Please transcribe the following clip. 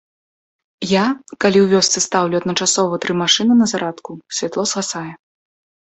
Я, калі ў вёсцы стаўлю адначасова тры машыны на зарадку, святло згасае.